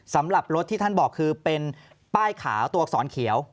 สำหรับรถที่ท่านบอกคือเป็นป้ายขาวตัวอักษรเขียว